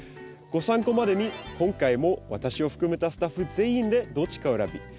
ご参考までに今回も私を含めたスタッフ全員でどっちかを選び